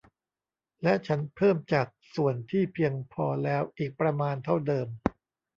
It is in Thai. และฉันเพิ่มจากส่วนที่เพียงพอแล้วอีกประมาณเท่าเดิม